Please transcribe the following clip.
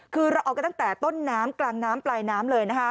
คือเราออกกันตั้งแต่ต้นน้ำกลางน้ำปลายน้ำเลยนะคะ